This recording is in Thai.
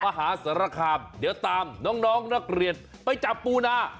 มหาสารคามเดี๋ยวตามน้องนักเรียนไปจับปูนา